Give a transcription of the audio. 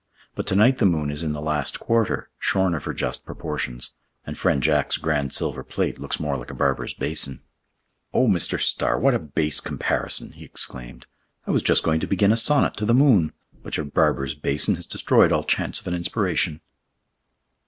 But to night the moon is in the last quarter, shorn of her just proportions, and friend Jack's grand silver plate looks more like a barber's basin." "Oh, Mr. Starr, what a base comparison!" he exclaimed, "I was just going to begin a sonnet to the moon, but your barber's basin has destroyed all chance of an inspiration."